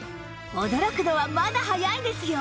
驚くのはまだ早いですよ！